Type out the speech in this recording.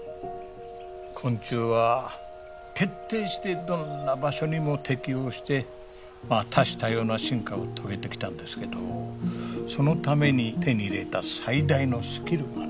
昆虫は徹底してどんな場所にも適応して多種多様な進化を遂げてきたんですけどそのために手に入れた最大のスキルがね